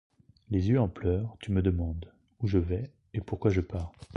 Les yeux en pleurs, tu me demandes Où je vais, et pourquoi je pars.